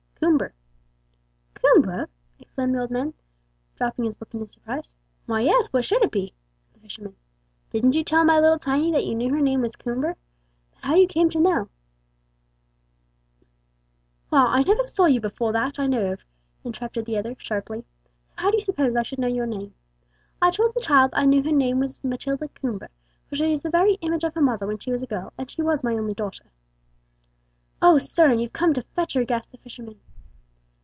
"Coomber." "Coomber!" exclaimed the old man, dropping his book in his surprise. "Why, yes; what should it be?" said the fisherman. "Didn't you tell my little Tiny that you knew her name was Coomber? But how you came to know " "Why, I never saw you before that I know of," interrupted the other, sharply; "so how do you suppose I should know your name? I told the child I knew her name was Matilda Coomber, for she is the very image of her mother when she was a girl, and she was my only daughter." "Oh, sir, and you've come to fetch her!" gasped the fisherman.